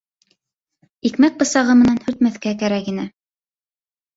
—Икмәк бысағы менән һөртмәҫкә кәрәк ине.